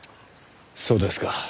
そうですか。